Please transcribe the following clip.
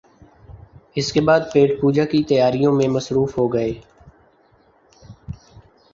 اس کے بعد پیٹ پوجا کی تیاریوں میں مصروف ہو گئے